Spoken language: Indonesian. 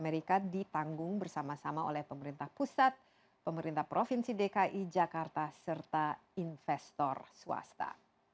amerika ditanggung bersama sama oleh pemerintah pusat pemerintah provinsi dki jakarta serta investor swasta